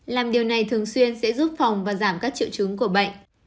làm điều này thường xuyên sẽ giúp phòng và giảm các triệu chứng của bệnh